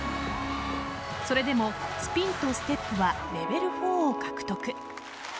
それでもスピンとステップはレベル４を獲得。